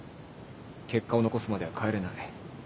結果を残すまでは帰れない。